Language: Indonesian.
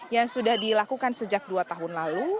yang sudah dilakukan sejak dua tahun lalu